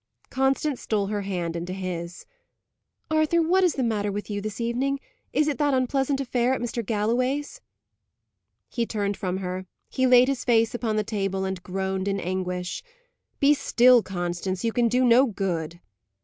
Constance stole her hand into his. "Arthur, what is the matter with you this evening? Is it that unpleasant affair at Mr. Galloway's?" He turned from her. He laid his face upon the table and groaned in anguish. "Be still, Constance! You can do no good."